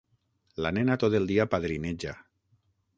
La nena tot el dia padrineja.